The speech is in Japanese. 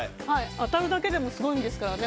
当たるだけでもすごいですから。